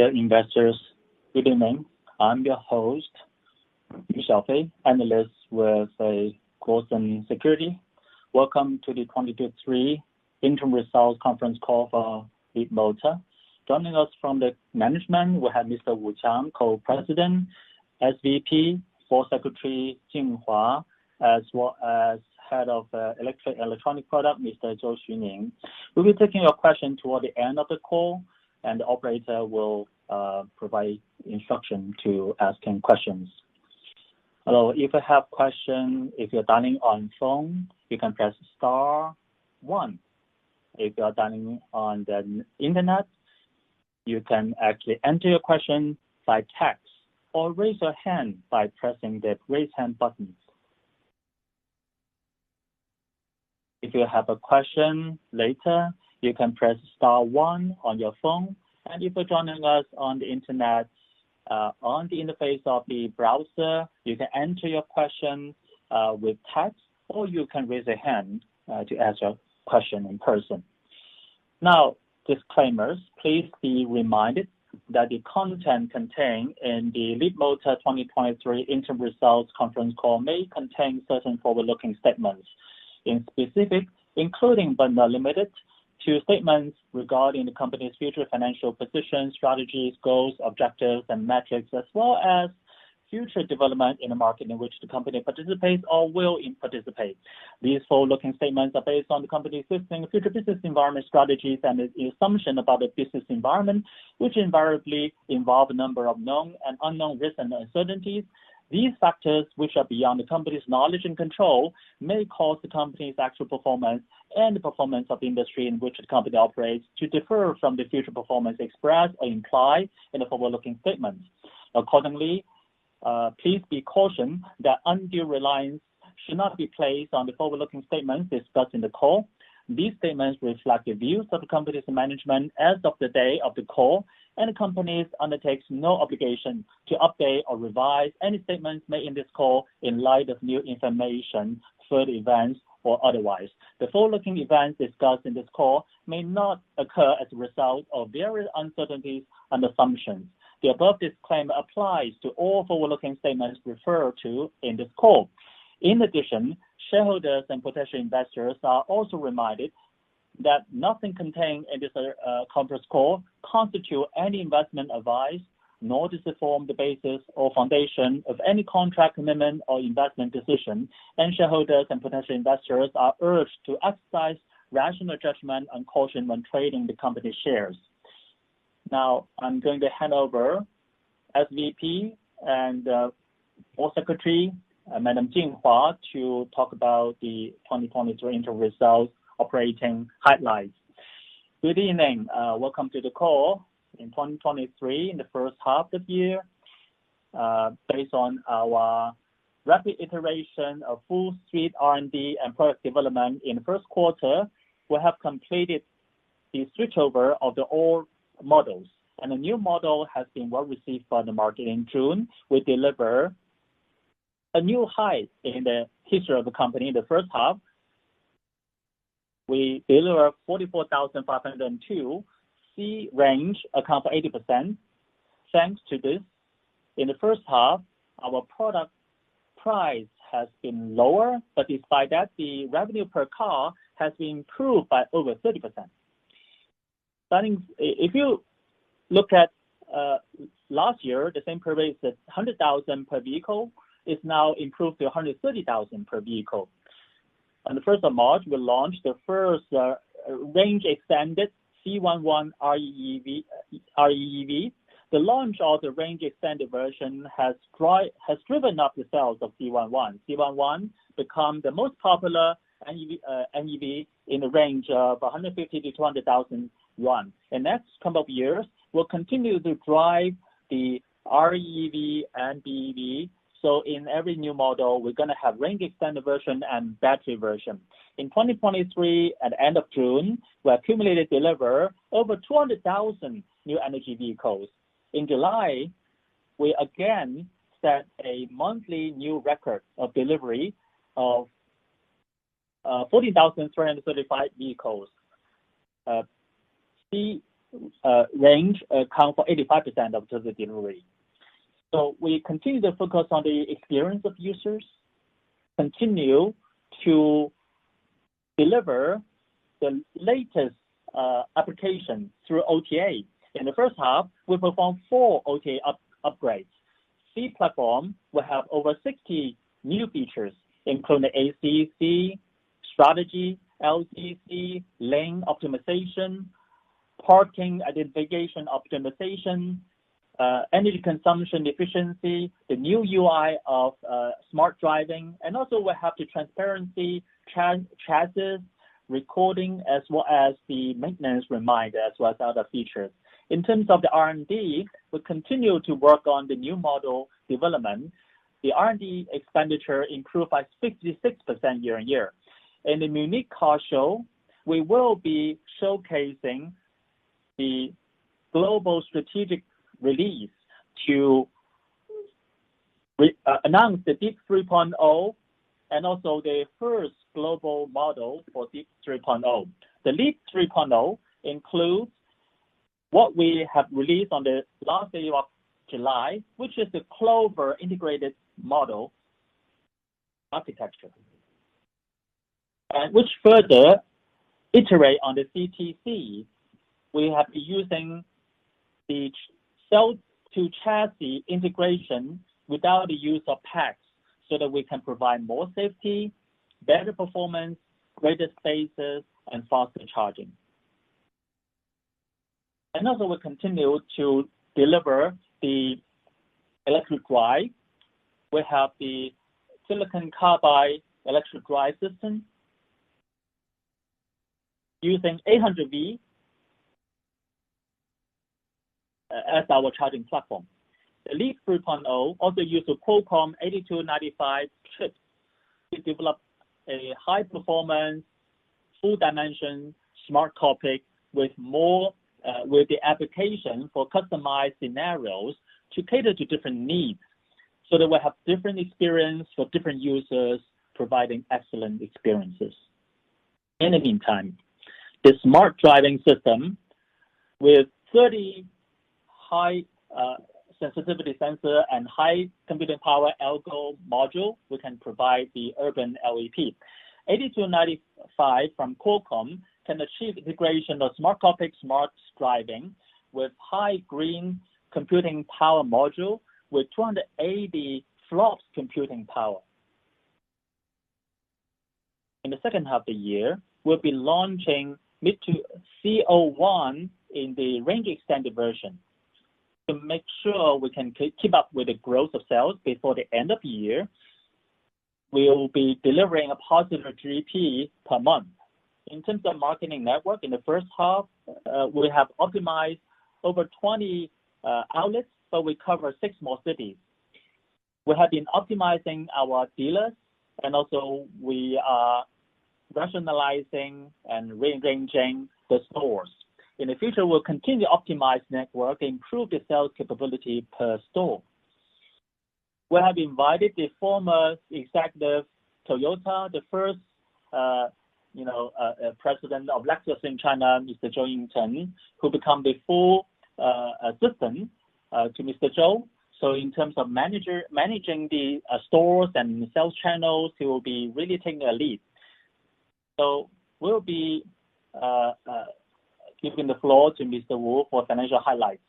Dear investors, good evening. I'm your host, Yu Xiaofei, analyst with Rosenblatt Securities. Welcome to the 2023 Interim Results Conference Call for Leapmotor. Joining us from the management, we have Mr. Wu Qiang, Co-President, SVP, Board Secretary Jing Hua, as well as Head of Electric Electronic Product, Mr. Zhou Xuning. We'll be taking your question toward the end of the call, and the operator will provide instruction to asking questions. If you have question, if you're dialing on phone, you can press star one. If you are dialing on the internet, you can actually enter your question by text or raise your hand by pressing the raise hand button. If you have a question later, you can press star one on your phone, if you're joining us on the internet, on the interface of the browser, you can enter your question with text, or you can raise a hand to ask your question in person. Now, disclaimers. Please be reminded that the content contained in the Leapmotor 2023 Interim Results Conference Call may contain certain forward-looking statements. In specific, including, but not limited to, statements regarding the company's future financial position, strategies, goals, objectives, and metrics, as well as future development in the market in which the company participates or will participate. These forward-looking statements are based on the company's existing future business environment strategies and its assumption about the business environment, which invariably involve a number of known and unknown risks and uncertainties. These factors, which are beyond the company's knowledge and control, may cause the company's actual performance and the performance of the industry in which the company operates to differ from the future performance expressed or implied in the forward-looking statements. Accordingly, please be cautioned that undue reliance should not be placed on the forward-looking statements discussed in the call. These statements reflect the views of the company's management as of the day of the call, and the companies undertakes no obligation to update or revise any statements made in this call in light of new information, further events, or otherwise. The forward-looking events discussed in this call may not occur as a result of various uncertainties and assumptions. The above disclaimer applies to all forward-looking statements referred to in this call. In addition, shareholders and potential investors are also reminded that nothing contained in this conference call constitute any investment advice, nor does it form the basis or foundation of any contract amendment or investment decision, shareholders and potential investors are urged to exercise rational judgment and caution when trading the company shares. Now, I'm going to hand over SVP and Board Secretary, Madam Jing Hua, to talk about the 2023 interim results operating highlights. Good evening. Welcome to the call. In 2023, in the first half of the year, based on our rapid iteration of full-suite R&D and product development in the first quarter, we have completed the switchover of the old models, and the new model has been well received by the market. In June, we deliver a new height in the history of the company. In the first half, we deliver 44,502 C range, account for 80%. Thanks to this, in the first half, our product price has been lower, but despite that, the revenue per car has been improved by over 30%. If you look at last year, the same period was at 100,000 per vehicle, is now improved to 130,000 per vehicle. On the 1st of March, we launched the first range-extended C11 REEV. The launch of the range-extended version has driven up the sales of C11. C11 became the most popular NEV in the range of 150,000 to 200,000 yuan. In next couple of years, we will continue to drive the REEV and BEV. In every new model, we are going to have range extender version and battery version. In 2023, at end of June, we accumulated delivery over 200,000 new energy vehicles. In July, we again set a monthly new record of delivery of 40,335 vehicles. C range accounted for 85% of the delivery. We continue to focus on the experience of users, continue to deliver the latest application through OTA. In the first half, we performed four OTA upgrades. C platform will have over 60 new features, including ACC, strategy, LCC, lane optimization, parking identification optimization, energy consumption efficiency, the new UI of smart driving, and also we have the transparency, chassis recording, as well as the maintenance reminder, as well as other features. In terms of the R&D, we continue to work on the new model development. The R&D expenditure improved by 66% year-on-year. In the Munich Car Show, we will be showcasing the global strategic release to announce the LEAP 3.0, and also the first global model for LEAP 3.0. The LEAP 3.0 includes what we have released on the last day of July, which is the Four-leaf Clover integrated model architecture. Which further iterates on the CTC we have been using, the Cell-to-Chassis 2.1 integration without the use of packs, so that we can provide more safety, better performance, greater spaces, and faster charging. We continue to deliver the electric drive. We have the silicon carbide electric drive system, using 800V as our charging platform. The LEAP 3.0 also uses a Qualcomm Snapdragon 8295 chip. We developed a high-performance, full dimension, smart cockpit, with the application for customized scenarios to cater to different needs, so that we have different experiences for different users, providing excellent experiences. In the meantime, the smart driving system, with 30 high sensitivity sensors and high computing power algo module, we can provide the urban Leapmotor Pilot. Snapdragon 8295 from Qualcomm can achieve integration of smart cockpit smart driving, with high green computing power module, with 280 FLOPs computing power. In the second half of the year, we will be launching Leapmotor C01 in the range extender version. To make sure we can keep up with the growth of sales before the end of the year, we will be delivering a positive GP per month. In terms of marketing network, in the first half, we have optimized over 20 outlets. We cover six more cities. We have been optimizing our dealers. We are rationalizing and rearranging the stores. In the future, we will continue to optimize network, improve the sales capability per store. We have invited the former executive Toyota, the first president of Lexus in China, Mr. Zhou Ying, who became the full assistant to Mr. Zhou. In terms of managing the stores and sales channels, he will be really taking the lead. We will be giving the floor to Mr. Wu for financial highlights.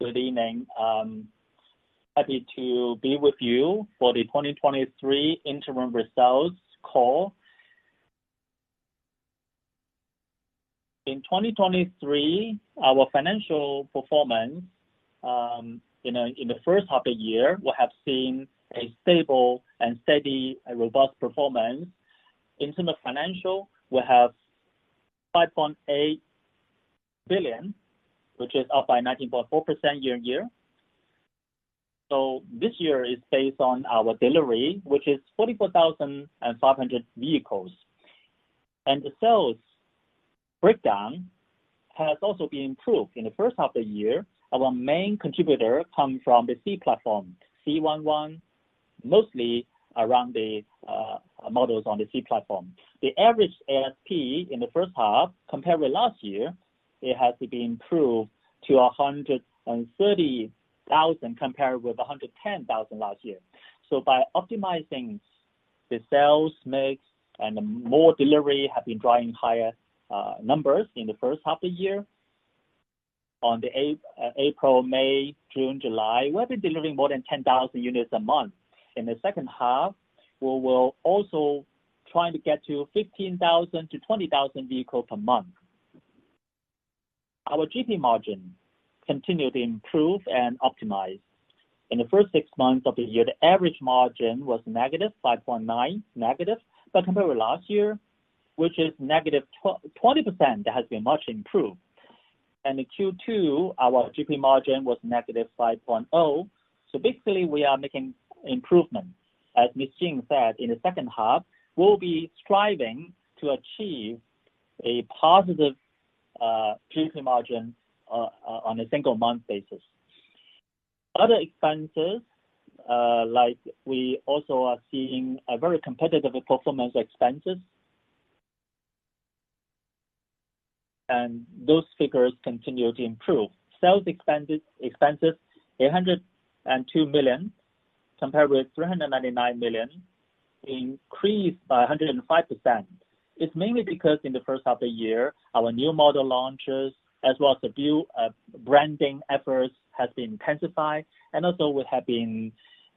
Good evening. Happy to be with you for the 2023 interim results call. In 2023, our financial performance in the first half of the year, we have seen a stable and steady, robust performance. In terms of financial, we have 5.8 billion, which is up by 19.4% year-over-year. This year is based on our delivery, which is 44,500 vehicles. The sales breakdown has also been improved. In the first half of the year, our main contributor come from the C platform, C11, mostly around the models on the C platform. The average ASP in the first half, compared with last year, it has been improved to 130,000, compared with 110,000 last year. By optimizing the sales mix and more delivery have been driving higher numbers in the first half of the year. On the April, May, June, July, we have been delivering more than 10,000 units a month. In the second half, we will also try to get to 15,000 to 20,000 vehicles per month. Our GP margin continued to improve and optimize. In the first six months of the year, the average margin was -5.9, negative. Compared with last year, which is -20%, it has been much improved. In Q2, our GP margin was -5.0. Basically, we are making improvements. As Ms. Jing said, in the second half, we'll be striving to achieve a positive GP margin on a single month basis. Other expenses, we also are seeing a very competitive performance expenses, and those figures continue to improve. Sales expenses, 802 million, compared with 399 million, increased by 105%. It's mainly because in the first half of the year, our new model launches, as well as the new branding efforts, have been intensified, and also we have been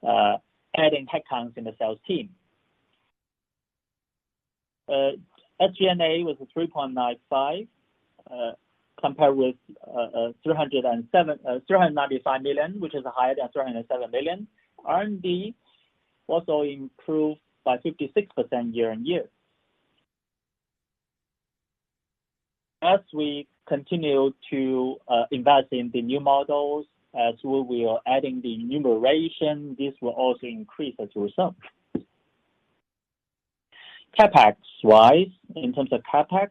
adding headcounts in the sales team. SG&A was 395, compared with 395 million, which is higher than 307 million. R&D also improved by 56% year-over-year. As we continue to invest in the new models, as we are adding the enumeration, this will also increase as a result. CapEx-wise, in terms of CapEx,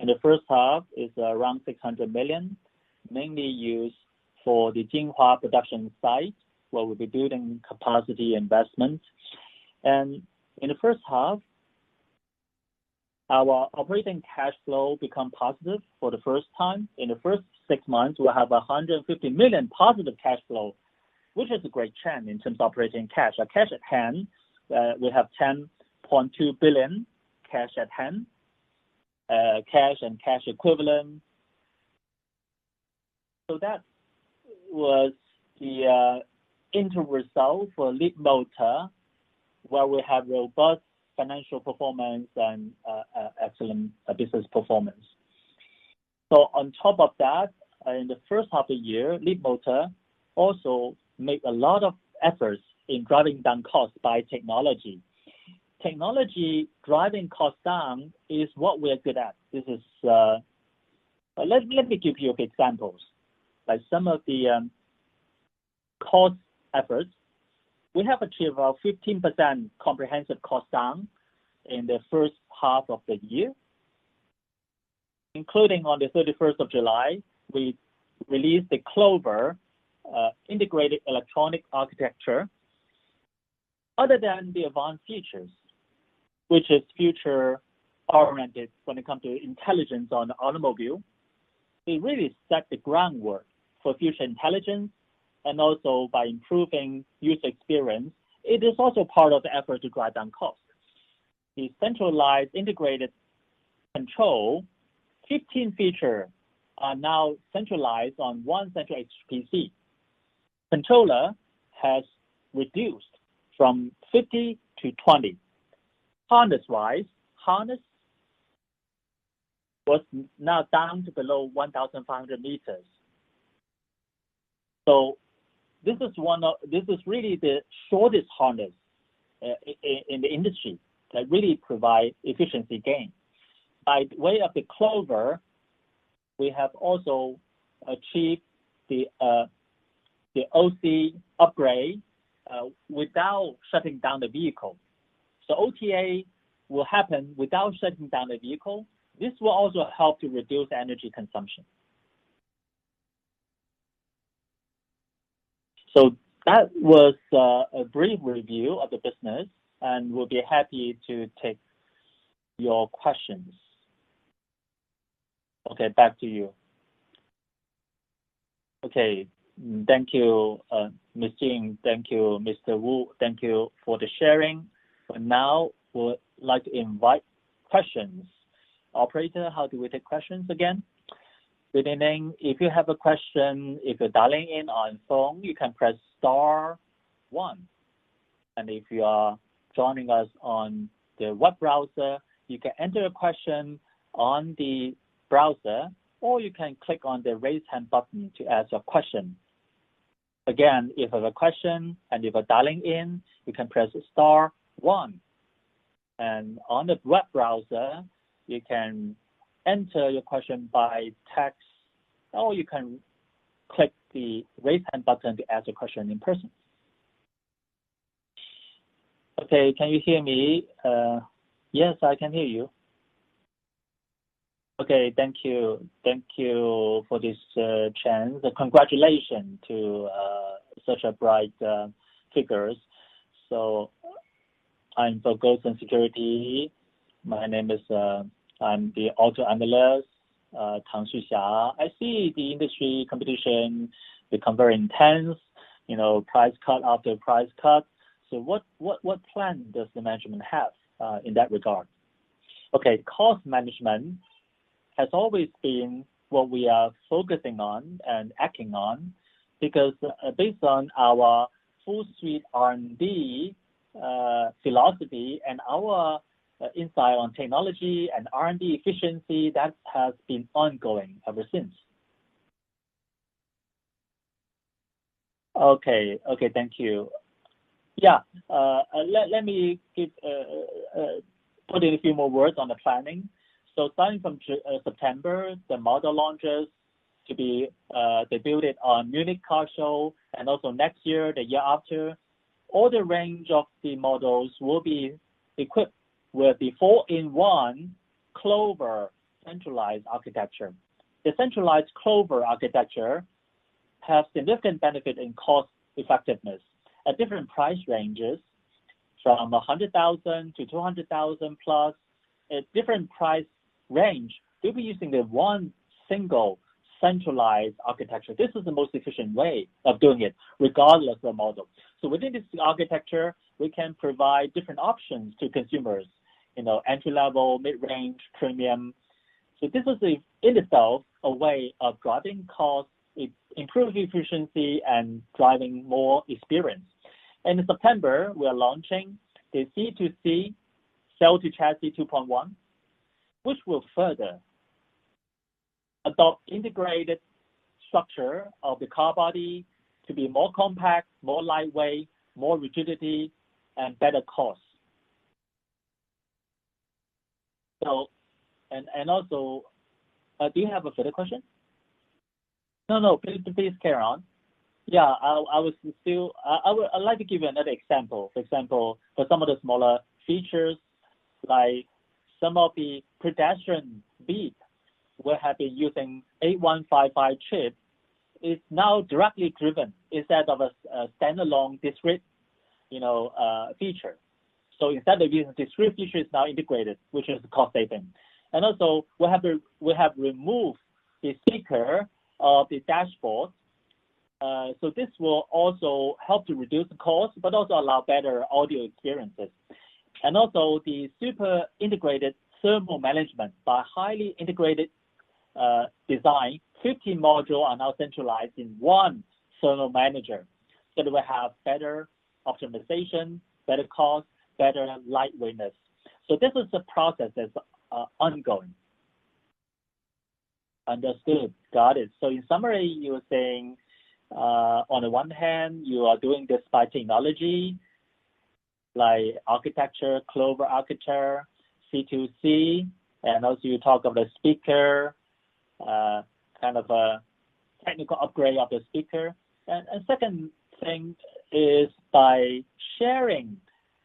in the first half is around 600 million, mainly used for the Jinhua production site, where we'll be doing capacity investment. In the first half, our operating cash flow become positive for the first time. In the first six months, we have 150 million positive cash flow, which is a great trend in terms of operating cash. Our cash at hand, we have 10.2 billion cash at hand, cash and cash equivalents. That was the interim result for Leapmotor, where we have robust financial performance and excellent business performance. On top of that, in the first half of the year, Leapmotor also made a lot of efforts in driving down costs by technology. Technology driving costs down is what we're good at. Let me give you examples. Like some of the cost efforts, we have achieved a 15% comprehensive cost down in the first half of the year, including on the 31st of July, we released the Clover integrated electronic architecture. Other than the advanced features, which is future oriented when it comes to intelligence on the automobile, we really set the groundwork for future intelligence, and also by improving user experience, it is also part of the effort to drive down costs. The centralized integrated control, 15 feature are now centralized on one central HPC. Controller has reduced from 50 to 20. Harness wise, harness was now down to below 1,500 meters. This is really the shortest harness in the industry that really provide efficiency gain. By way of the Clover, we have also achieved the OTA upgrade, without shutting down the vehicle. OTA will happen without shutting down the vehicle. This will also help to reduce energy consumption. That was a brief review of the business and we'll be happy to take your questions. Okay, back to you. Okay, thank you, Ms. Jing. Thank you, Mr. Wu. Thank you for the sharing. Now, would like to invite questions. Operator, how do we take questions again? Good evening. If you have a question, if you're dialing in on phone, you can press star one. If you are joining us on the web browser, you can enter a question on the browser, or you can click on the raise hand button to ask a question. Again, if you have a question and you are dialing in, you can press star one. On the web browser, you can enter your question by text, or you can click the raise hand button to ask a question in person. Okay, can you hear me? Yes, I can hear you. Okay, thank you. Thank you for this chance. Congratulations to such a bright figures. I'm for Goldman Sachs. My name is, I'm the auto analyst, Tang Shuxia. I see the industry competition become very intense, price cut after price cut. What plan does the management have, in that regard? Cost management has always been what we are focusing on and acting on because based on our full suite R&D philosophy and our insight on technology and R&D efficiency, that has been ongoing ever since. Okay. Thank you. Yeah. Let me put in a few more words on the planning. Starting from September, the model launches to be debuted on Munich Car Show, and also next year, the year after. All the range of the models will be equipped with the Four-leaf Clover centralized architecture. The centralized Clover architecture have significant benefit in cost effectiveness at different price ranges, from 100,000 to 200,000 plus. At different price range, we'll be using the one single centralized architecture. This is the most efficient way of doing it, regardless of model. Within this architecture, we can provide different options to consumers, entry level, mid-range, premium. This is in itself a way of driving cost, improving efficiency, and driving more experience. In September, we are launching the C2C, Cell to Chassis 2.1, which will further adopt integrated structure of the car body to be more compact, more lightweight, more rigidity, and better cost. And also, do you have a further question? No, please carry on. Yeah. I would like to give you another example. For example, for some of the smaller features, like some of the pedestrian beep, we have been using 8155 chip, is now directly driven instead of a standalone discrete feature. Instead of using discrete features, now integrated, which is cost saving. Also, we have removed the speaker of the dashboard. This will also help to reduce the cost, but also allow better audio experiences. Also the super integrated thermal management by highly integrated design. 15 module are now centralized in one thermal manager, so that we have better optimization, better cost, better lightweightness. This is the process that's ongoing. Understood. Got it. In summary, you are saying, on the one hand, you are doing this by technology, like architecture, Four-leaf Clover architecture, C2C, and also you talk of the speaker, kind of a technical upgrade of the speaker. Second thing is by sharing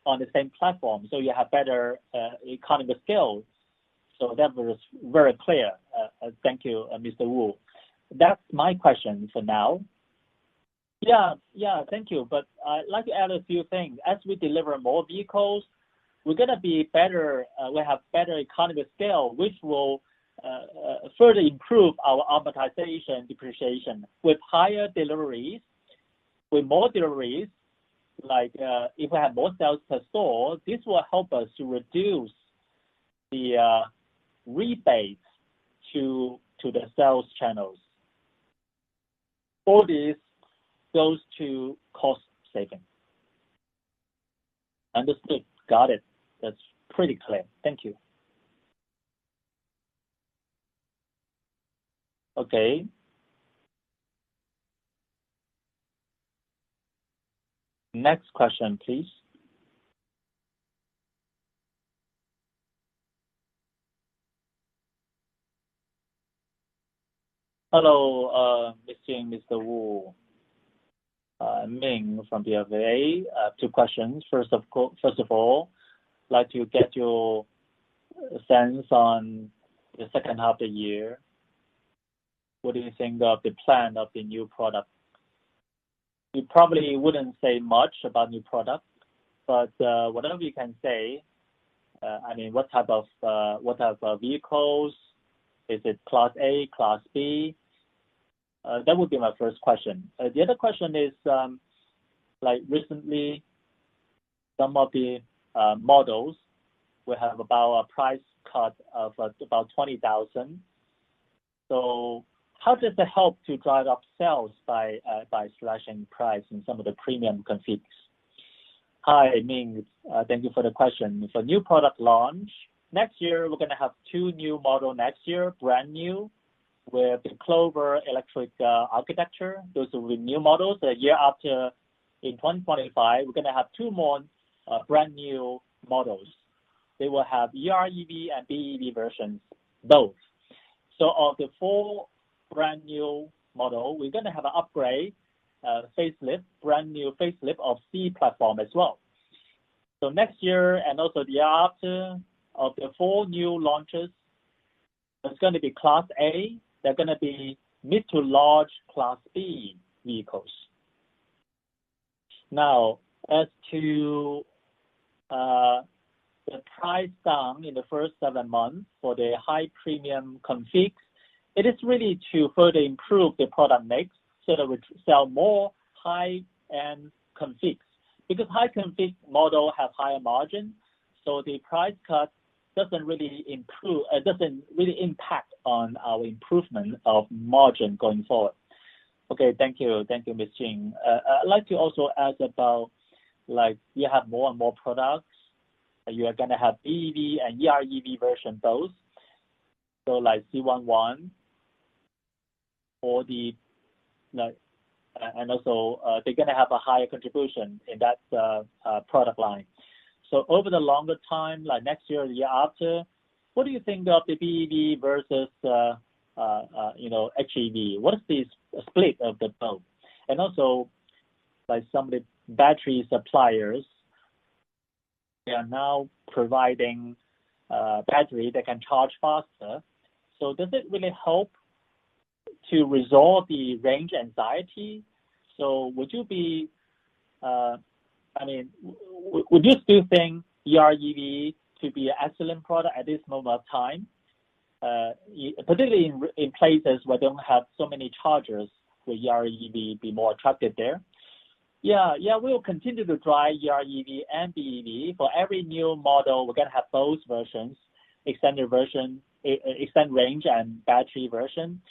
on the same platform, so you have better economies of scale. That was very clear. Thank you, Mr. Wu. That's my question for now. Thank you. I'd like to add a few things. As we deliver more vehicles, we have better economies of scale, which will further improve our amortization depreciation. With higher deliveries, with more deliveries, like if we have more sales per store, this will help us to reduce the rebates to the sales channels. All this goes to cost saving. Understood. Got it. That's pretty clear. Thank you. Next question, please. Hello, Mr. and Mr. Wu. Ming from BofA. Two questions. First of all, like to get your sense on the second half of the year. What do you think of the plan of the new product? You probably wouldn't say much about new product, but whatever you can say, what type of vehicles? Is it class A, class B? That would be my first question. The other question is, recently, some of the models will have about a price cut of about 20,000. How does that help to drive up sales by slashing price in some of the premium configs? Hi, Ming. Thank you for the question. For new product launch, next year, we're going to have two new model next year, brand new, with Four-leaf Clover electric architecture. Those will be new models. The year after, in 2025, we're going to have two more brand-new models. They will have EREV and BEV versions, both. Of the four brand-new model, we're going to have an upgrade, facelift, brand new facelift of C platform as well. Next year, and also the year after, of the four new launches, that's going to be class A, they're going to be mid to large class B vehicles. Now, as to the price down in the first seven months for the high premium configs, it is really to further improve the product mix so that we sell more high-end configs. Because high config model have higher margin, the price cut doesn't really impact on our improvement of margin going forward. Thank you. Thank you, Ms. Jing. I'd like to also ask about, you have more and more products. You are going to have BEV and EREV version both. Like C11, and also they're going to have a higher contribution in that product line. Over the longer time, like next year or the year after, what do you think of the BEV versus HEV? What is the split of the both? Also, some of the battery suppliers, they are now providing battery that can charge faster. Does it really help to resolve the range anxiety? Would you still think EREV to be an excellent product at this moment of time? Particularly in places where they don't have so many chargers, will EREV be more attractive there? Yeah. We will continue to drive EREV and BEV. For every new model, we're going to have both versions, extend range and battery version.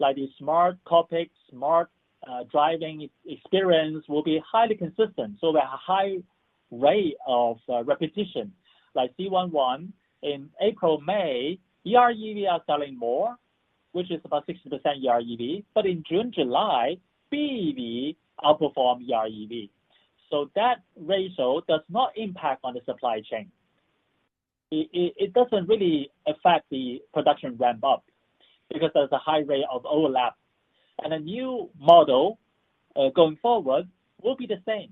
Like the smart cockpit, smart driving experience will be highly consistent. There are high rate of repetition. Like C11, in April, May, EREV are selling more, which is about 60% EREV. But in June, July, BEV outperformed EREV. That ratio does not impact on the supply chain. It doesn't really affect the production ramp-up, because there's a high rate of overlap. A new model, going forward, will be the same.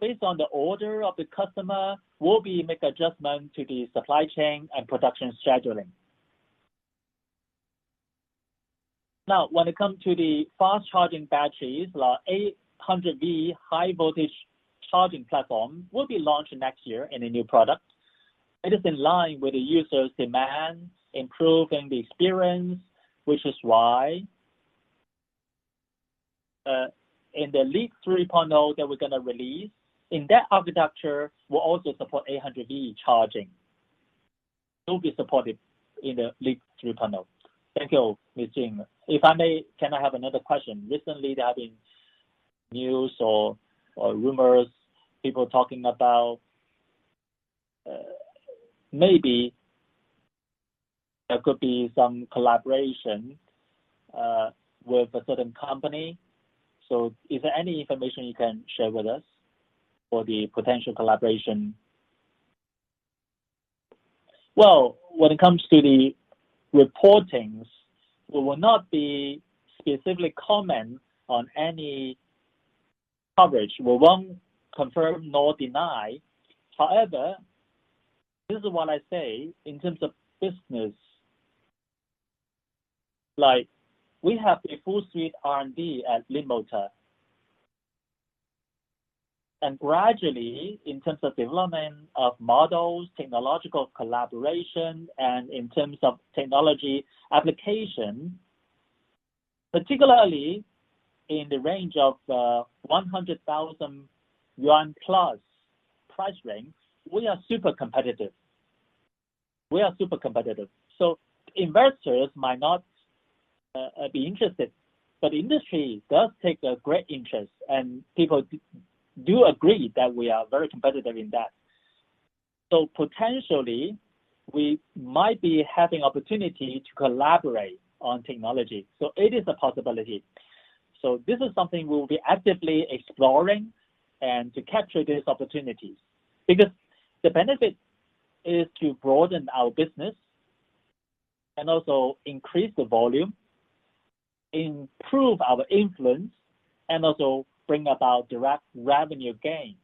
Based on the order of the customer, we'll make adjustment to the supply chain and production scheduling. When it comes to the fast-charging batteries, our 800V high voltage charging platform will be launching next year in a new product. It is in line with the user's demands, improving the experience, which is why, in the LEAP 3.0 that we're going to release, in that architecture, we'll also support 800V charging. It will be supported in the LEAP 3.0. Thank you, Mr. Jing. If I may, can I have another question? Recently, there have been news or rumors, people talking about maybe there could be some collaboration with a certain company. Is there any information you can share with us for the potential collaboration? Well, when it comes to the reportings, we will not be specifically comment on any coverage. We won't confirm nor deny. However, this is what I say in terms of business. We have a full suite R&D at Leapmotor. Gradually, in terms of development of models, technological collaboration, and in terms of technology application, particularly in the range of 100,000 yuan plus price range, we are super competitive. Investors might not be interested, but the industry does take a great interest, and people do agree that we are very competitive in that. Potentially, we might be having opportunity to collaborate on technology. It is a possibility. This is something we'll be actively exploring and to capture these opportunities, because the benefit is to broaden our business and also increase the volume, improve our influence, and also bring about direct revenue gain.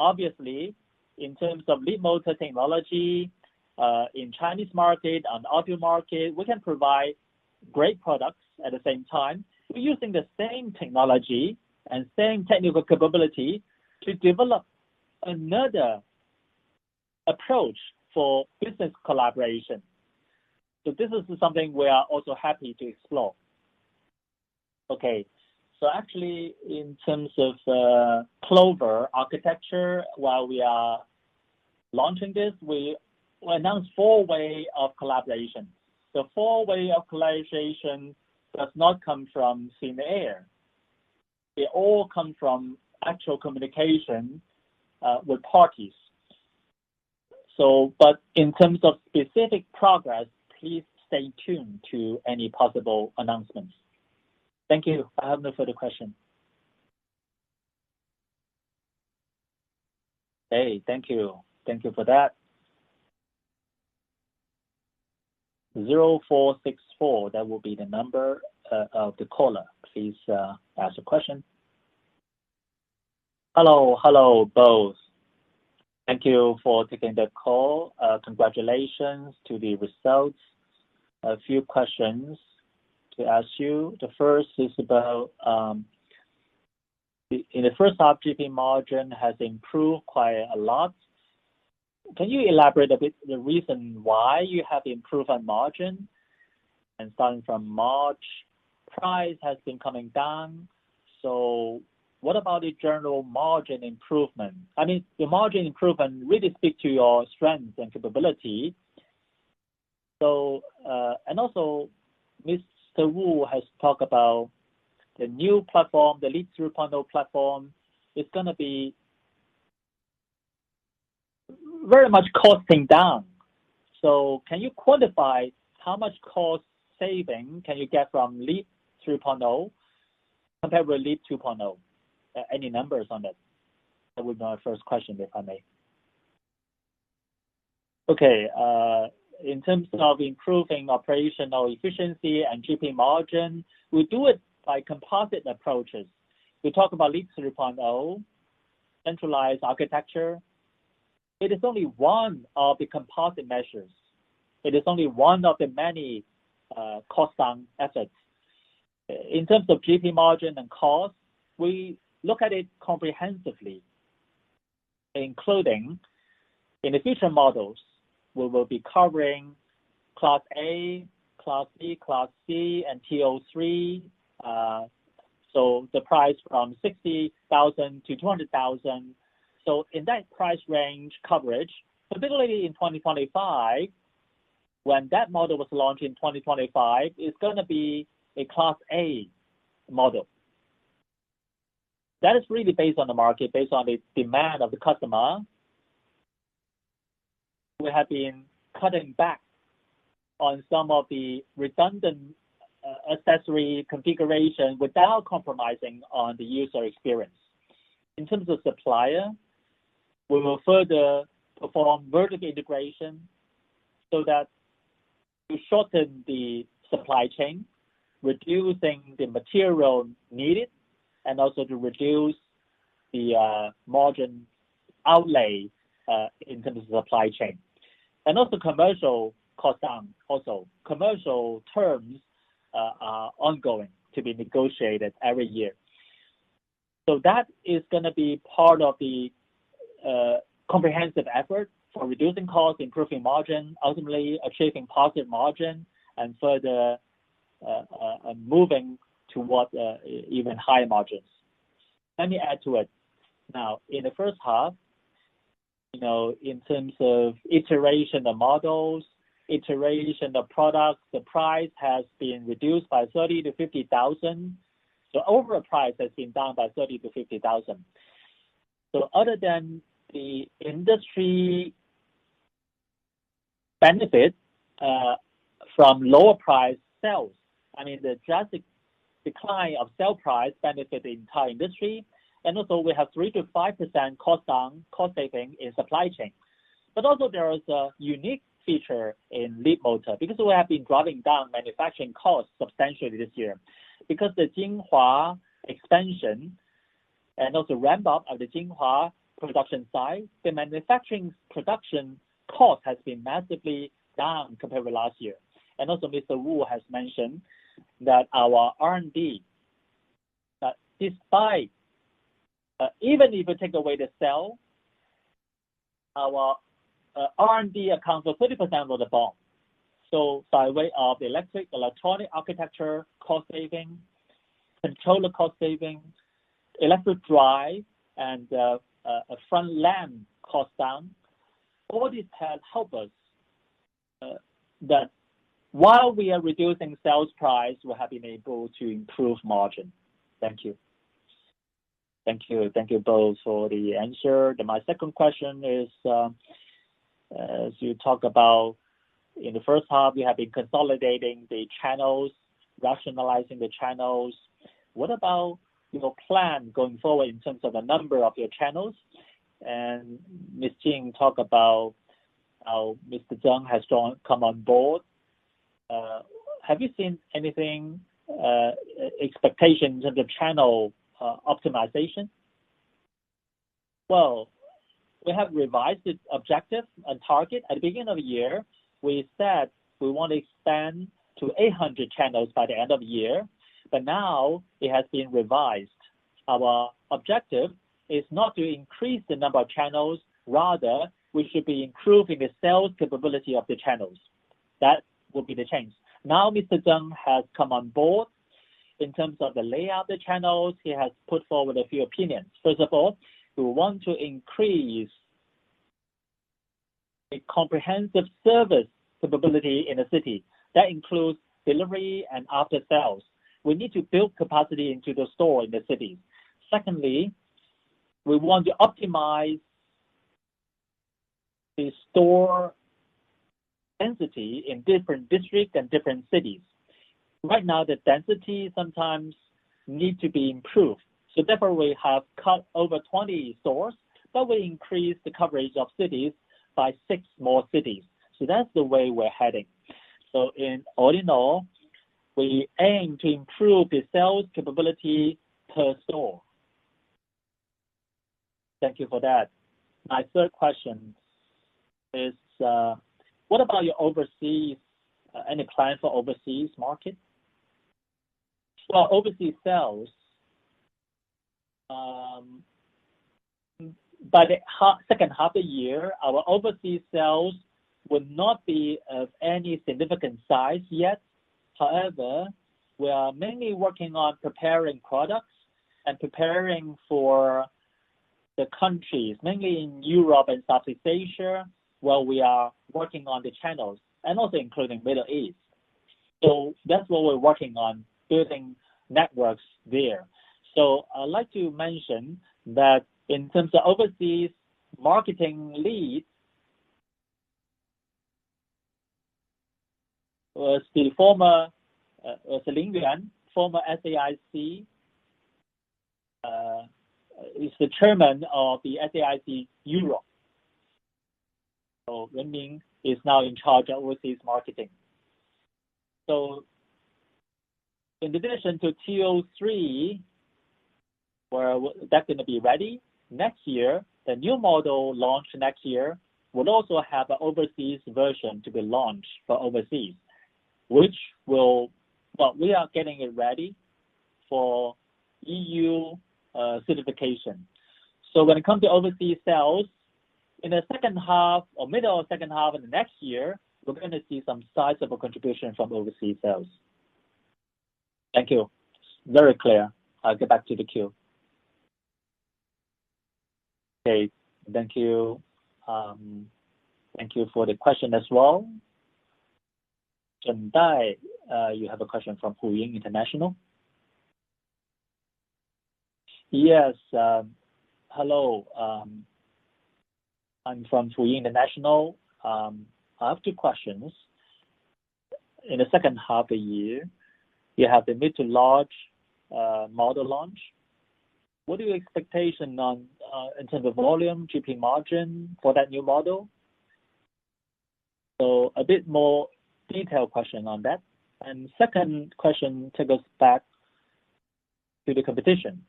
Obviously, in terms of Leapmotor Technology, in Chinese market, on the auto market, we can provide great products at the same time. We're using the same technology and same technical capability to develop another approach for business collaboration. This is something we are also happy to explore. Okay. Actually, in terms of Four-leaf Clover, while we are launching this, we announced four way of collaboration. Four way of collaboration does not come from thin air. They all come from actual communication with parties. In terms of specific progress, please stay tuned to any possible announcements. Thank you. I have no further question. Hey. Thank you. Thank you for that. 0464. That will be the number of the caller. Please ask the question. Hello, both. Thank you for taking the call. Congratulations to the results. A few questions to ask you. The first is about, in the first half, GP margin has improved quite a lot. Can you elaborate a bit the reason why you have improved on margin? Starting from March, price has been coming down. What about the general margin improvement? I mean, the margin improvement really speak to your strength and capability. Mr. Wu has talked about the new platform, the LEAP 3.0 platform, is going to be very much costing down. Can you quantify how much cost saving can you get from LEAP 3.0 compared with LEAP 2.0? Any numbers on that? That would be my first question, if I may. Okay. In terms of improving operational efficiency and GP margin, we do it by composite approaches. We talk about LEAP 3.0, centralized architecture. It is only one of the composite measures. It is only one of the many cost-down assets. In terms of GP margin and cost, we look at it comprehensively, including in the future models, we will be covering class A, class B, class C, and T03. The price from 60,000 to 200,000. In that price range coverage, particularly in 2025, when that model was launched in 2025, it's going to be a class A model. That is really based on the market, based on the demand of the customer. We have been cutting back on some of the redundant accessory configuration without compromising on the user experience. In terms of supplier, we will further perform vertical integration so that to shorten the supply chain, reducing the material needed, and also to reduce the margin outlay in terms of supply chain. Commercial cost down. Commercial terms are ongoing to be negotiated every year. That is going to be part of the comprehensive effort for reducing cost, improving margin, ultimately achieving positive margin and further moving towards even higher margins. Let me add to it. Now, in the first half, in terms of iteration of models, iteration of products, the price has been reduced by 30,000 to 50,000. Overall price has been down by 30,000 to 50,000. Other than the industry benefit from lower price sales, the drastic decline of sale price benefit the entire industry. We have 3%-5% cost down, cost saving in supply chain. There is a unique feature in Leapmotor, because we have been driving down manufacturing costs substantially this year. Because the Jinhua expansion and also ramp up of the Jinhua production size, the manufacturing production cost has been massively down compared with last year. Mr. Wu has mentioned that our R&D, even if you take away the sale, our R&D accounts for 30% of the BOM. By way of electronic architecture cost saving, controller cost saving, electric drive, and front LAN cost down, all this has help us. That while we are reducing sales price, we have been able to improve margin. Thank you. Thank you. Thank you both for the answer. My second question is, as you talk about in the first half, you have been consolidating the channels, rationalizing the channels. What about your plan going forward in terms of the number of your channels? Ms. Jing talk about how Mr. Zhang has come on board. Have you seen anything, expectation in the channel optimization? Well, we have revised the objective and target. At the beginning of the year, we said we want to expand to 800 channels by the end of the year, but now it has been revised. Our objective is not to increase the number of channels, rather, we should be improving the sales capability of the channels. That will be the change. Mr. Zhang has come on board. In terms of the layout of the channels, he has put forward a few opinions. First of all, we want to increase the comprehensive service capability in the city. That includes delivery and after-sales. We need to build capacity into the store in the city. Secondly, we want to optimize the store density in different districts and different cities. Right now, the density sometimes needs to be improved. Therefore, we have cut over 20 stores, but we increased the coverage of cities by six more cities. That's the way we're heading. All in all, we aim to improve the sales capability per store. Thank you for that. My third question is, what about your overseas? Any plan for overseas market? Well, overseas sales. By the second half of the year, our overseas sales will not be of any significant size yet. However, we are mainly working on preparing products and preparing for the countries, mainly in Europe and Southeast Asia, where we are working on the channels, and also including Middle East. That's what we're working on, building networks there. I'd like to mention that in terms of overseas marketing leads, was the former Lin Yuan, former SAIC, is the chairman of the SAIC Motor Europe. Ren Min is now in charge of overseas marketing. In addition to T03, that's going to be ready next year. The new model launch next year will also have an overseas version to be launched for overseas. We are getting it ready for EU certification. When it comes to overseas sales, in the second half or middle of second half of the next year, we're going to see some sizable contribution from overseas sales. Thank you. Very clear. I'll get back to the queue. Okay. Thank you. Thank you for the question as well. Chen Dai, you have a question from Huaying International? Yes. Hello. I'm from Free International. I have two questions. In the second half of the year, you have the mid to large model launch. What are your expectations in terms of volume, GP margin for that new model? A bit more detailed question on that. Second question takes us back to the competition.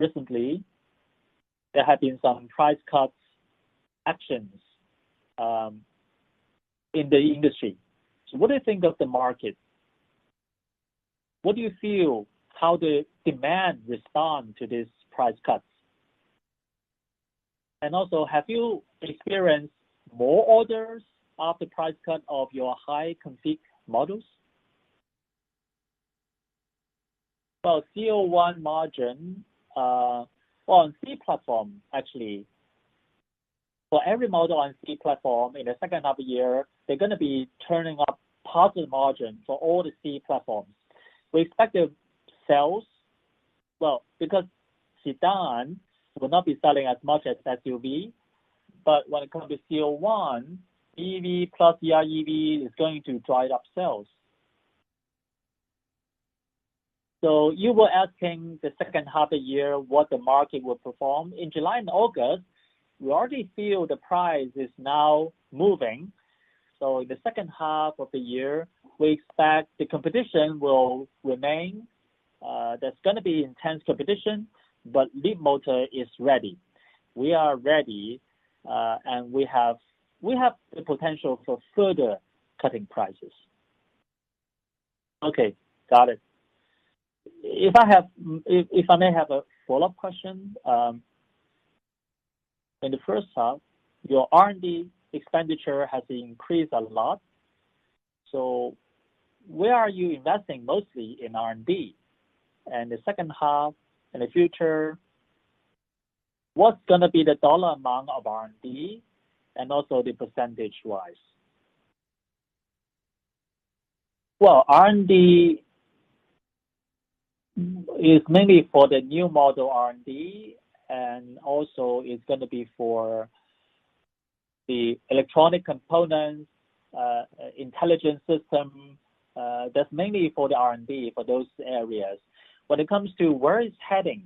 Recently, there have been some price cut actions in the industry. What do you think of the market? What do you feel how the demand responds to these price cuts? Have you experienced more orders after price cut of your high config models? Well, C01 margin, on C platform, actually, for every model on C platform in the second half of the year, they're going to be turning up positive margin for all the C platforms. We expect the sales, well, because sedan will not be selling as much as SUV, but when it comes to C01, BEV plus the EREV is going to drive up sales. You were asking the second half of the year what the market will perform. In July and August, we already feel the price is now moving. In the second half of the year, we expect the competition will remain. There's going to be intense competition, but Leapmotor is ready. We are ready, and we have the potential for further cutting prices. Okay. Got it. If I may have a follow-up question. In the first half, your R&D expenditure has increased a lot. Where are you investing mostly in R&D? In the second half, in the future, what's going to be the dollar amount of R&D, and also the percentage-wise? R&D is mainly for the new model R&D, and also is going to be for the electronic components, intelligence system. That's mainly for the R&D for those areas. When it comes to where it's heading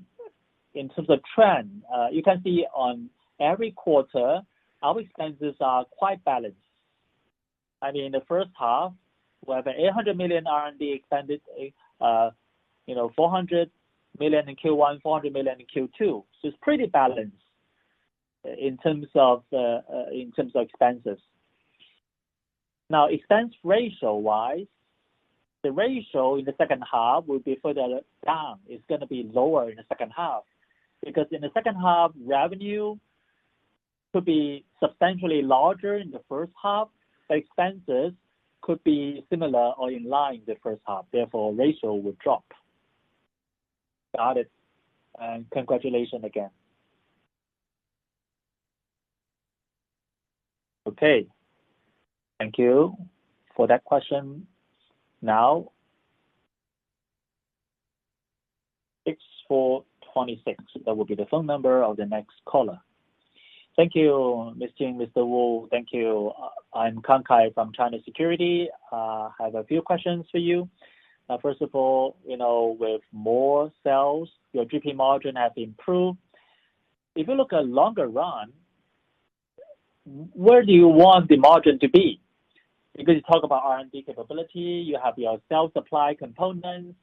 in terms of trend, you can see on every quarter, our expenses are quite balanced. In the first half, we have a 800 million R&D expended, 400 million in Q1, 400 million in Q2. It's pretty balanced in terms of expenses. Expense ratio-wise, the ratio in the second half will be further down. It's going to be lower in the second half because in the second half, revenue could be substantially larger in the first half, expenses could be similar or in line the first half, therefore, ratio will drop. Got it. Congratulations again. Thank you for that question. 6426. That will be the phone number of the next caller. Thank you, Mr. Jing, Mr. Wu. Thank you. I'm Kangkai from China Securities. I have a few questions for you. With more sales, your GP margin has improved. If you look at longer run, where do you want the margin to be? Because you talk about R&D capability, you have your self-supply components.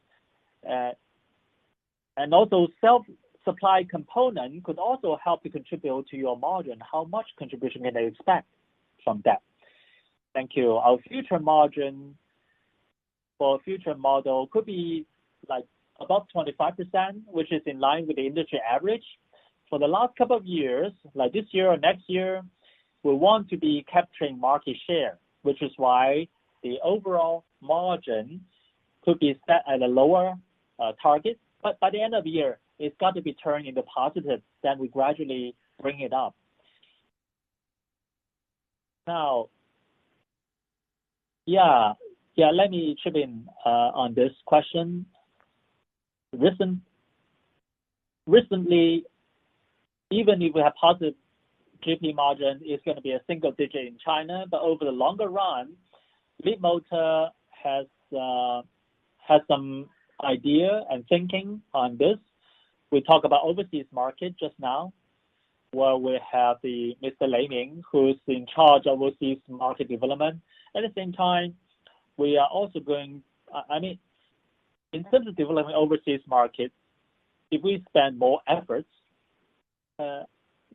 Also self-supply component could also help to contribute to your margin. How much contribution can I expect from that? Thank you. Our future margin for future model could be above 25%, which is in line with the industry average. For the last couple of years, like this year or next year, we want to be capturing market share, which is why the overall margin could be set at a lower target. By the end of the year, it's got to be turning into positive, then we gradually bring it up. Let me chip in on this question. Recently, even if we have positive GP margin, it's going to be a single digit in China. Over the longer run, Leapmotor has some idea and thinking on this. We talk about overseas market just now, where we have Mr. Leiming, who's in charge of overseas market development. At the same time, we are also going in terms of developing overseas markets, if we spend more efforts,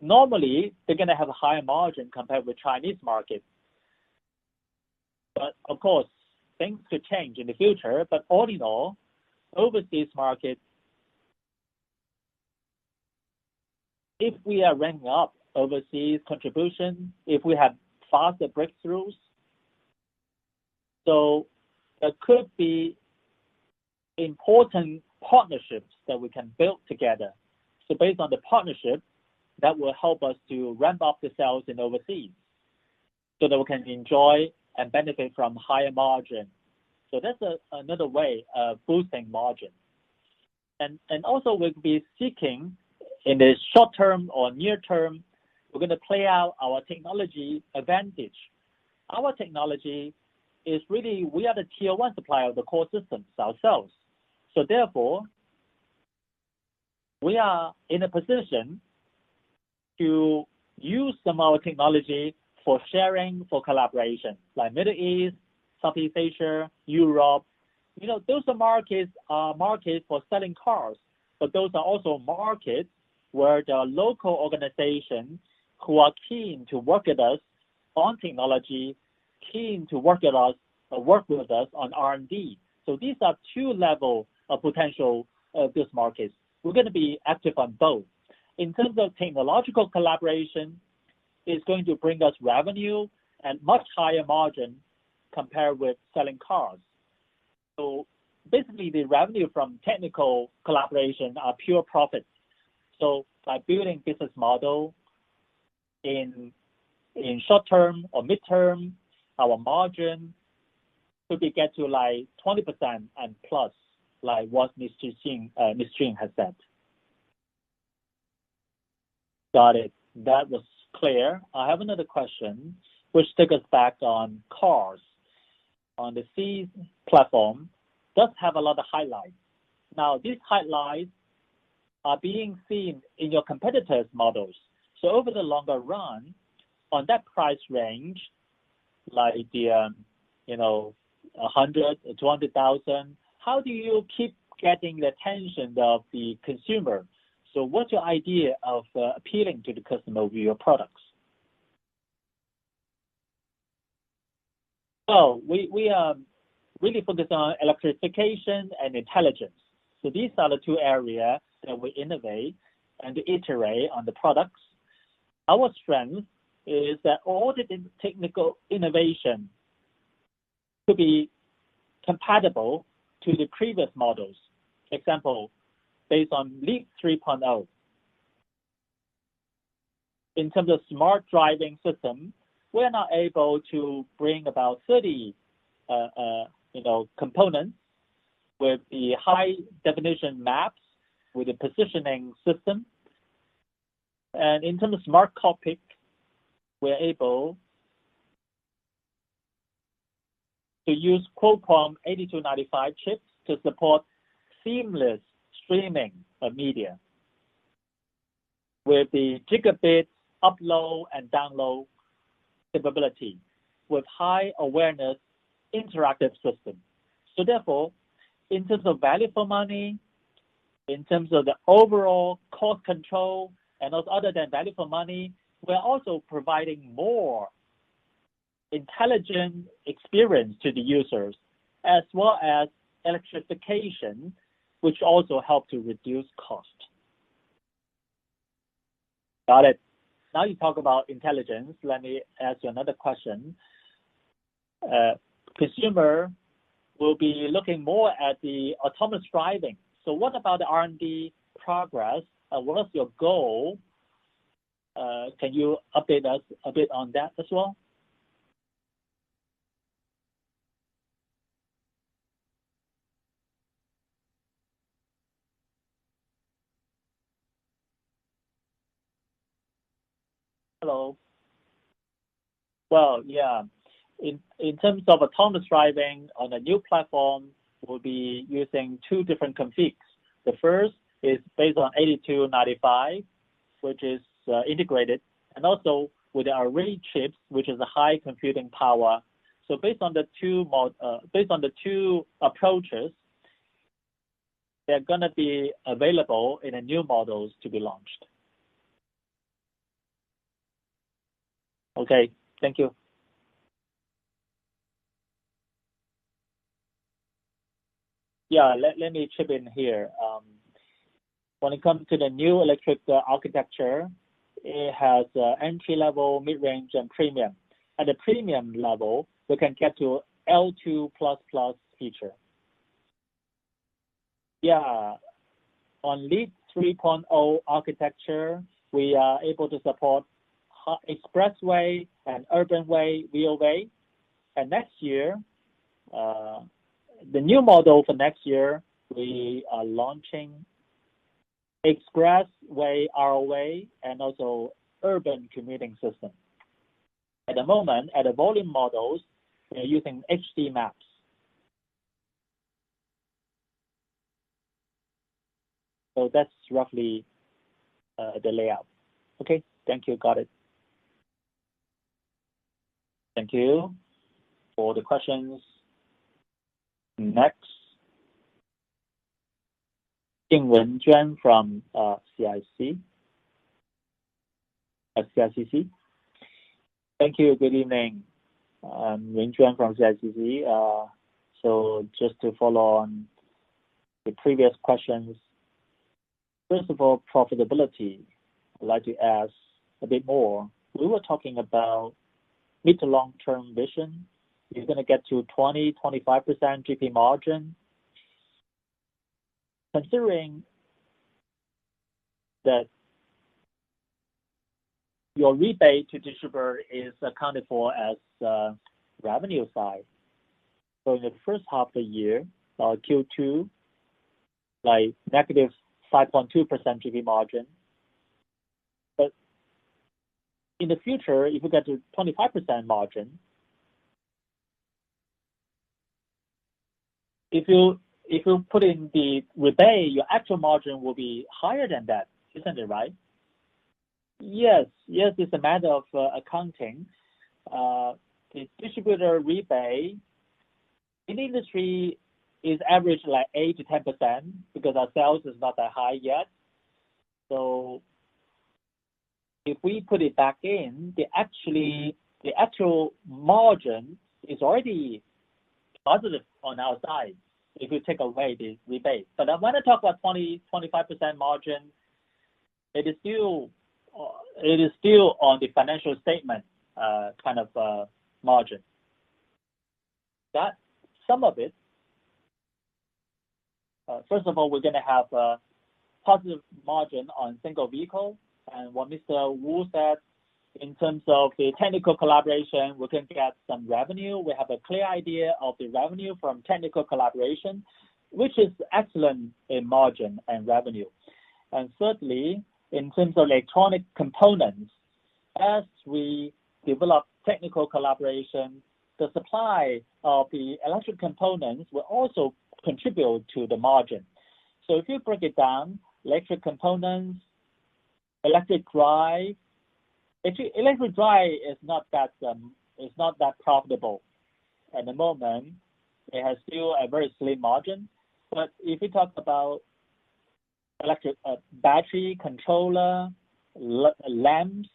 normally they're going to have a higher margin compared with Chinese market. Of course, things could change in the future. All in all, overseas market, if we are ramping up overseas contribution, if we have faster breakthroughs, there could be important partnerships that we can build together. Based on the partnership, that will help us to ramp up the sales in overseas so that we can enjoy and benefit from higher margin. That's another way of boosting margin. Also, we'll be seeking, in the short term or near term, we're going to play out our technology advantage. Our technology is really, we are the tier 1 supplier of the core systems ourselves. Therefore, we are in a position to use some of our technology for sharing, for collaboration, like Middle East, Southeast Asia, Europe. Those are markets for selling cars, but those are also markets where there are local organizations who are keen to work with us on technology, keen to work with us on R&D. These are two level of potential business markets. We're going to be active on both. In terms of technological collaboration, it's going to bring us revenue and much higher margin compared with selling cars. Basically, the revenue from technical collaboration are pure profits. By building business model in short term or midterm, our margin could be get to 20%+ like what Mr. Xing has said. Got it. That was clear. I have another question, which take us back on cars. On the C platform, does have a lot of highlights. These highlights are being seen in your competitors' models. Over the longer run, on that price range, like the 100,000, 200,000, how do you keep getting the attention of the consumer? What's your idea of appealing to the customer with your products? We are really focused on electrification and intelligence. These are the two areas that we innovate and iterate on the products. Our strength is that all the technical innovation could be compatible to the previous models. Example, based on LEAP 3.0. In terms of smart driving system, we're now able to bring about 30 components with the high-definition maps, with the positioning system. In terms of smart cockpit, we're able to use Qualcomm 8295 chips to support seamless streaming of media with the gigabit upload and download capability, with high awareness interactive system. Therefore, in terms of value for money, in terms of the overall cost control and also other than value for money, we're also providing more intelligent experience to the users, as well as electrification, which also help to reduce cost. Got it. You talk about intelligence, let me ask you another question. Consumer will be looking more at the autonomous driving. What about the R&D progress? What is your goal? Can you update us a bit on that as well? Well, yeah. In terms of autonomous driving on the new platform, we'll be using two different configs. The first is based on 8295, which is integrated, and also with our Ray chips, which is a high computing power. Based on the two approaches, they're going to be available in the new models to be launched. Okay. Thank you. Yeah. Let me chip in here. When it comes to the new electric architecture, it has entry level, mid-range, and premium. At the premium level, we can get to L2++ feature. Yeah. On LEAP 3.0 architecture, we are able to support expressway and urban way, Rway. Next year, the new model for next year, we are launching expressway, Rway, and also urban commuting system. At the moment, at the volume models, we are using HD maps. That's roughly the layout. Okay. Thank you. Got it. Thank you for the questions. Next. Ding Wenjuan from CICC. Thank you. Good evening. I'm Wenjuan from CICC. Just to follow on the previous questions, first of all, profitability, I'd like to ask a bit more. We were talking about mid to long-term vision is going to get to 20%-25% GP margin. Considering that your rebate to distributor is accounted for as revenue side. In the first half of the year, Q2, negative 5.2% GP margin. In the future, if you get to 25% margin, if you put in the rebate, your actual margin will be higher than that, isn't it right? Yes. It is a matter of accounting. The distributor rebate in the industry is average, like 8%-10%, because our sales is not that high yet. If we put it back in, the actual margin is already positive on our side, if you take away this rebate. When I talk about 20%-25% margin, it is still on the financial statement kind of margin. That some of it. First of all, we are going to have a positive margin on single vehicle. And what Mr. Wu said, in terms of the technical collaboration, we can get some revenue. We have a clear idea of the revenue from technical collaboration, which is excellent in margin and revenue. Thirdly, in terms of electronic components, as we develop technical collaboration, the supply of the electronic components will also contribute to the margin. If you break it down, electronic components, electric drive. Actually, electric drive is not that profitable at the moment. It has still a very slim margin. If you talk about electric battery, controller, lamps,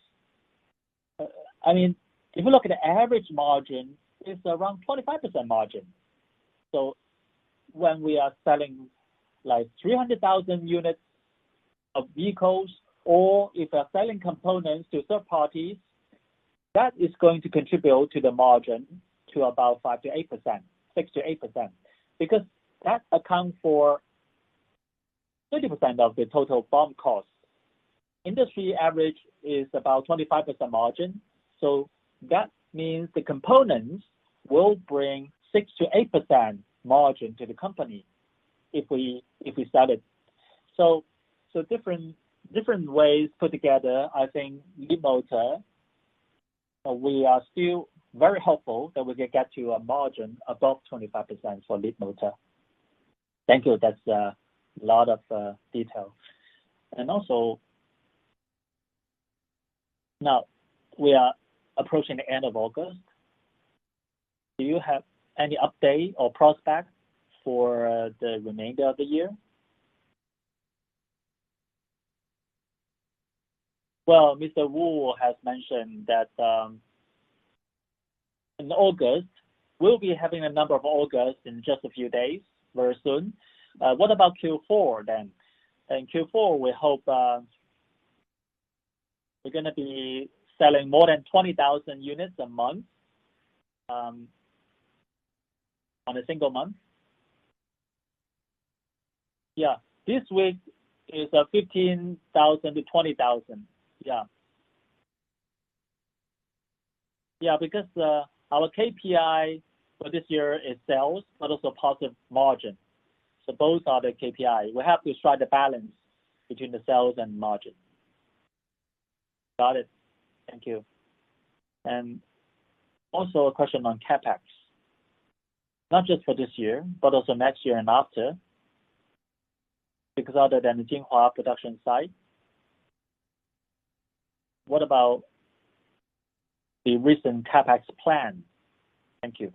if you look at the average margin, it is around 25% margin. When we are selling 300,000 units of vehicles, or if we are selling components to third parties, that is going to contribute to the margin to about 5%-8%, 6%-8%, because that accounts for 30% of the total BOM cost. Industry average is about 25% margin. That means the components will bring 6%-8% margin to the company if we sell it. Different ways put together, I think Leapmotor, we are still very hopeful that we can get to a margin above 25% for Leapmotor. Thank you. That is a lot of detail. Also, now we are approaching the end of August. Do you have any update or prospect for the remainder of the year? Well, Mr. Wu has mentioned that in August. We will be having the number of August in just a few days, very soon. What about Q4? In Q4, we hope we are going to be selling more than 20,000 units a month, on a single month. Yeah. This week is 15,000-20,000. Yeah. Our KPI for this year is sales, but also positive margin. Both are the KPI. We have to strike the balance between the sales and margin. Got it. Thank you. Also a question on CapEx, not just for this year, but also next year and after. Other than the Jinhua production site, what about the recent CapEx plan? Thank you.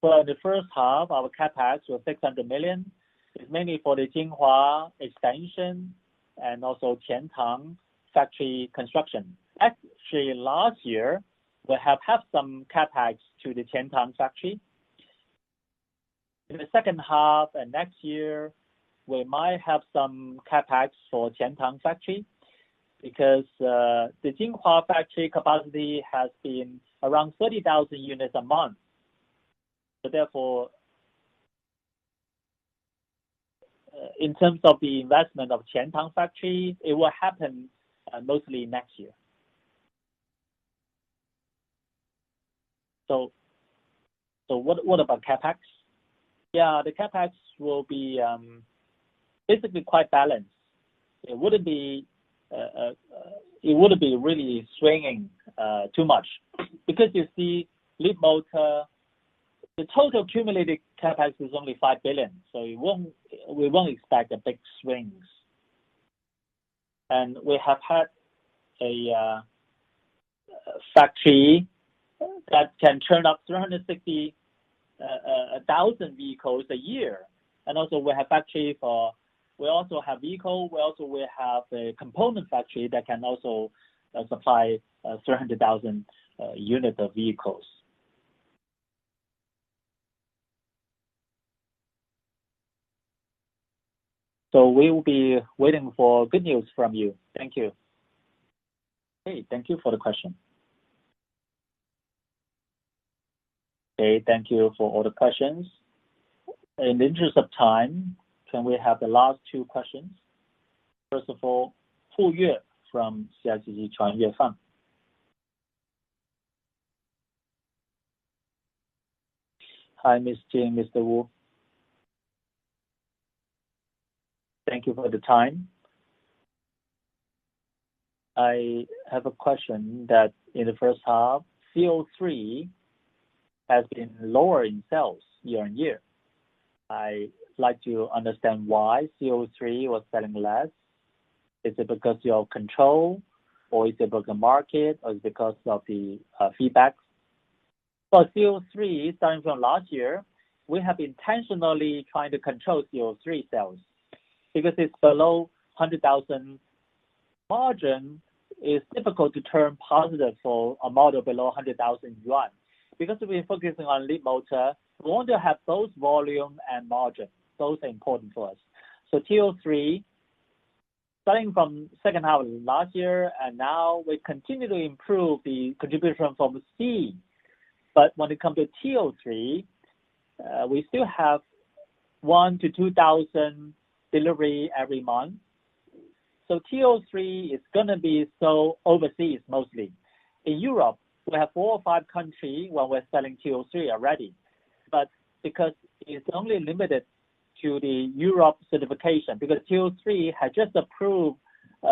For the first half, our CapEx was 600 million. It is mainly for the Jinhua expansion and also QianTang factory construction. Actually, last year, we have had some CapEx to the QianTang factory. In the second half and next year, we might have some CapEx for QianTang factory, the Jinhua factory capacity has been around 30,000 units a month. Therefore, in terms of the investment of QianTang factory, it will happen mostly next year. What about CapEx? Yeah, the CapEx will be basically quite balanced. It wouldn't be really swinging too much because, you see, Leapmotor, the total accumulated CapEx is only 5 billion. We won't expect the big swings. We have had a factory that can turn up 360,000 vehicles a year. Also, we will have a component factory that can also supply 300,000 units of vehicles. We will be waiting for good news from you. Thank you. Okay. Thank you for the question. Okay. Thank you for all the questions. In the interest of time, can we have the last two questions? First of all, Hu Yue from CICC, Chan Yue Fan. Hi, Miss Jane, Mr. Wu. Thank you for the time. I have a question that in the first half, T03 has been lower in sales year-over-year. I would like to understand why T03 was selling less. Is it because of your control, or is it because of the market, or is it because of the feedbacks? For T03, starting from last year, we have intentionally tried to control T03 sales because it's below 100,000. Margin is difficult to turn positive for a model below 100,000 yuan. We're focusing on Leapmotor, we want to have both volume and margin. Those are important to us. T03, starting from second half of last year and now, we continue to improve the contribution from the C platform. When it comes to T03, we still have 1,000-2,000 deliveries every month. T03 is going to be sold overseas mostly. In Europe, we have four or five countries where we're selling T03 already, but because it's only limited to the Europe certification, because T03 has just approved,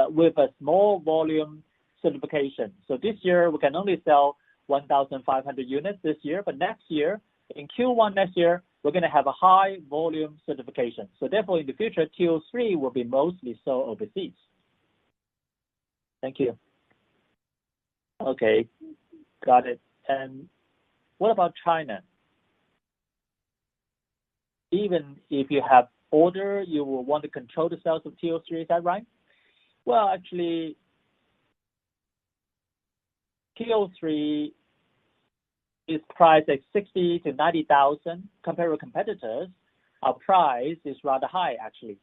with a small volume certification. This year, we can only sell 1,500 units this year, but next year, in Q1 next year, we're going to have a high volume certification. Therefore, in the future, T03 will be mostly sold overseas. Thank you. Okay, got it. What about China? Even if you have order, you will want to control the sales of T03, is that right? Actually, T03 is priced at 60,000-90,000. Compared with competitors, our price is rather high, actually.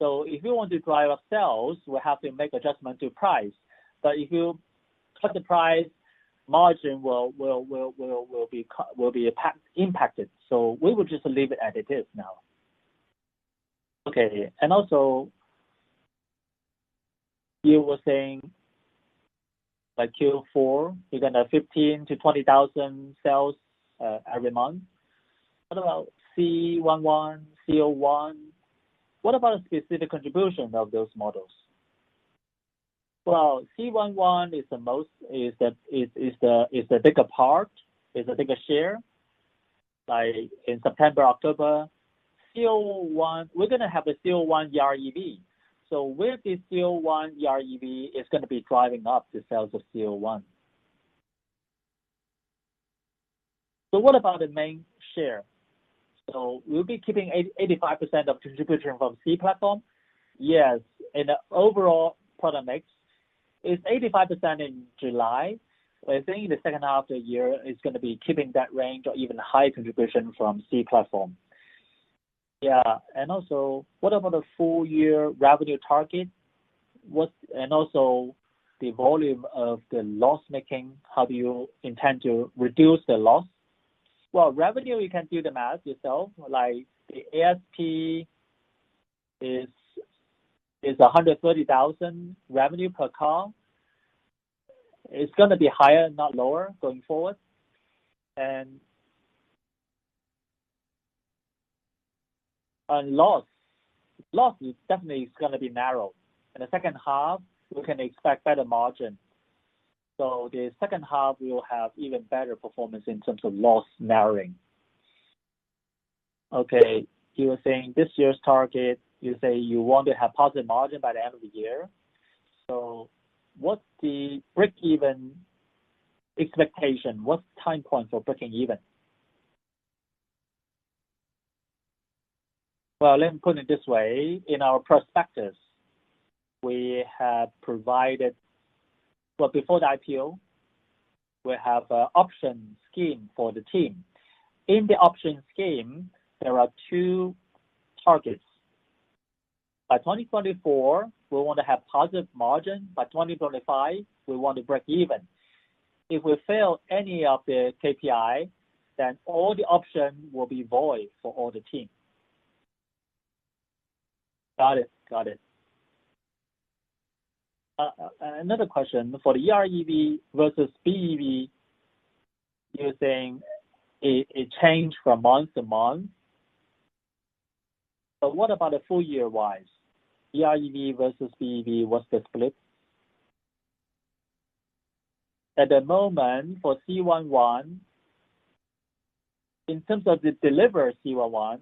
If we want to drive our sales, we have to make adjustment to price. If you cut the price, margin will be impacted, so we will just leave it as it is now. Okay. You were saying by Q4, you're going to have 15,000-20,000 sales every month. What about C11, C01? What about the specific contribution of those models? C11 is the bigger part, is the bigger share. In September, October. We're going to have a C01 EREV. With the C01 EREV, it's going to be driving up the sales of C01. What about the main share? We'll be keeping 85% of contribution from C platform. Yes, in the overall product mix, it's 85% in July, but I think in the second half of the year, it's going to be keeping that range or even higher contribution from C platform. What about the full year revenue target? The volume of the loss-making, how do you intend to reduce the loss? Revenue, you can do the math yourself. The ASP is 130,000 revenue per car. It's going to be higher, not lower, going forward. Loss is definitely is going to be narrowed. In the second half, we can expect better margin. The second half will have even better performance in terms of loss narrowing. You were saying this year's target, you say you want to have positive margin by the end of the year. What's the break-even expectation? What's the time point for breaking even? Let me put it this way. In our prospectus, we have provided. Before the IPO, we have an option scheme for the team. In the option scheme, there are two targets. By 2024, we want to have positive margin. By 2025, we want to break even. If we fail any of the KPI, all the option will be void for all the team. Another question. For the EREV versus BEV, you're saying it change from month to month. What about the full year-wise? EREV versus BEV, what's the split? At the moment, for C11, in terms of the delivered C11,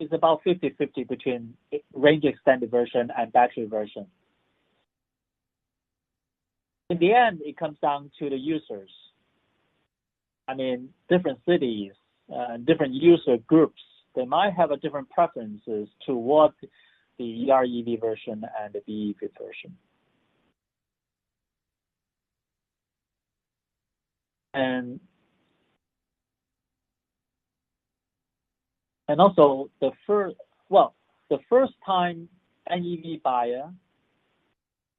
it's about 50/50 between range extended version and battery version. In the end, it comes down to the users. Different cities, different user groups, they might have different preferences toward the EREV version and the BEV version. And also, the first-time NEV buyer,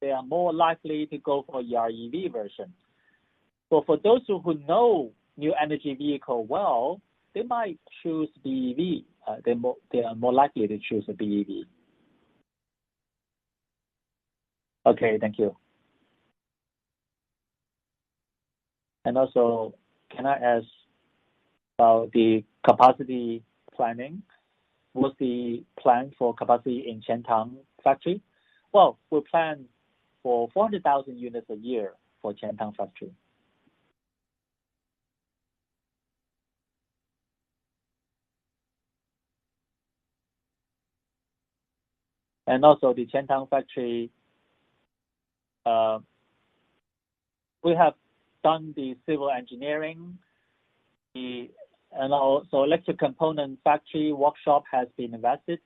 they are more likely to go for EREV version. For those who know new energy vehicle well, they might choose BEV. They are more likely to choose a BEV. Thank you. Can I ask about the capacity planning? What's the plan for capacity in Qiantang factory? We plan for 400,000 units a year for Qiantang factory. The Qiantang factory, we have done the civil engineering, and also electric component factory workshop has been invested.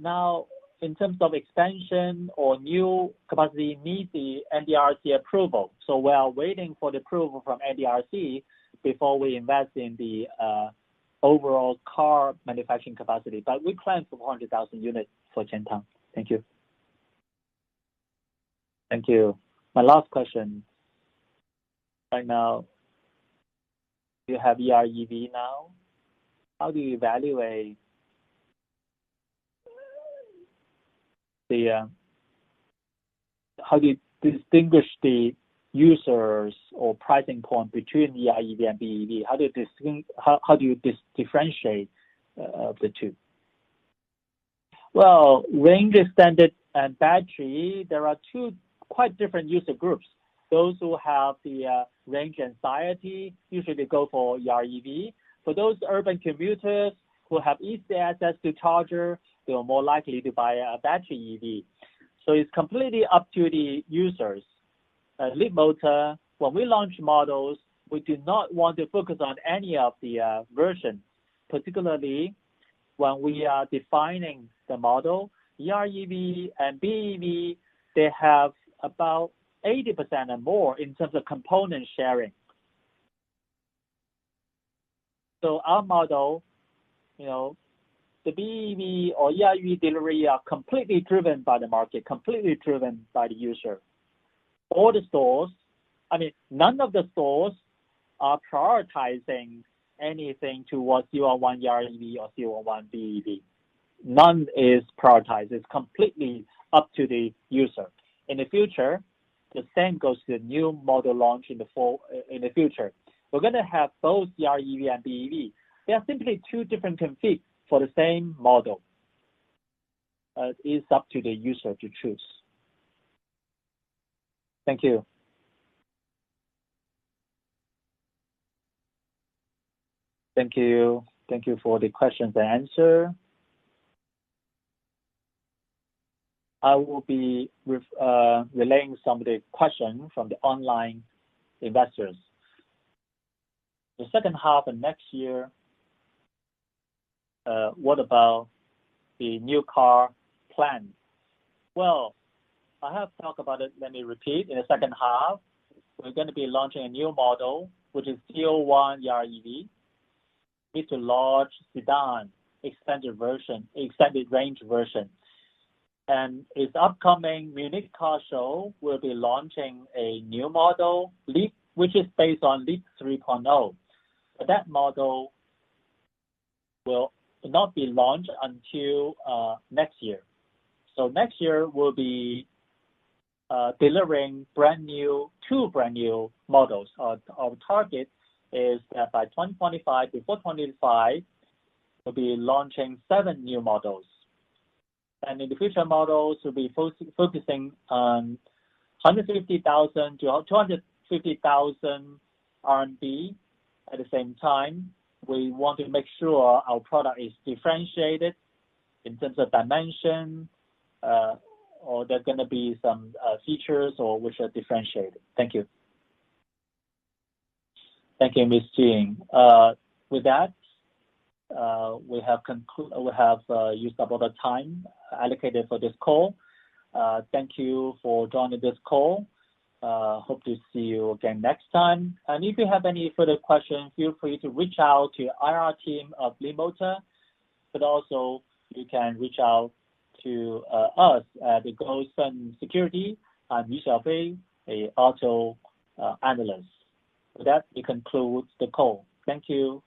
Now, in terms of expansion or new capacity, need the NDRC approval. We are waiting for the approval from NDRC before we invest in the overall car manufacturing capacity. We plan for 400,000 units for Qiantang. Thank you. My last question. Right now, you have EREV now. How do you distinguish the users or pricing point between the EREV and BEV? How do you differentiate the two? Range extended and battery, there are two quite different user groups. Those who have the range anxiety, usually they go for EREV. For those urban commuters who have easy access to charger, they are more likely to buy a battery EV. It's completely up to the users. At Leapmotor, when we launch models, we do not want to focus on any of the version, particularly when we are defining the model. EREV and BEV, they have about 80% or more in terms of component sharing. Our model, the BEV or EREV delivery are completely driven by the market, completely driven by the user. None of the stores are prioritizing anything towards C01 EREV or C01 BEV. None is prioritized. It's completely up to the user. In the future, the same goes to the new model launch in the future. We're going to have both EREV and BEV. They are simply two different configs for the same model. It's up to the user to choose. Thank you. Thank you for the questions and answer. I will be relaying some of the questions from the online investors. The second half of next year, what about the new car plan? I have talked about it, let me repeat. In the second half, we're going to be launching a new model, which is C01 EREV. It's a large sedan, extended range version. In the upcoming Munich Car Show, we'll be launching a new model, which is based on LEAP 3.0. That model will not be launched until next year. Next year, we'll be delivering two brand-new models. Our target is that by 2025, before 2025, we'll be launching seven new models. In the future models, we'll be focusing on 150,000-250,000 RMB. At the same time, we want to make sure our product is differentiated in terms of dimension, or there's going to be some features which are differentiated. Thank you. Thank you, Mr. Ying. With that, we have used up all the time allocated for this call. Thank you for joining this call. Hope to see you again next time. If you have any further questions, feel free to reach out to IR team of Leapmotor, but also you can reach out to us at Goldman Sachs. I'm Yu Xiaofei, an auto analyst. With that, it concludes the call. Thank you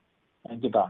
and goodbye.